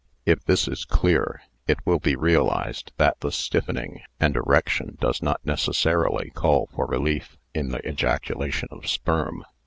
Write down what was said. If this is clear, it will be realised that the stiffening and erec Mutual Adjustment 4i tion does not necessarily call for relief in the ejacula tion of sperm.